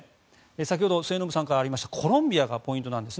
先ほど末延さんからありましたコロンビアがポイントなんです。